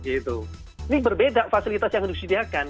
ini berbeda fasilitas yang disediakan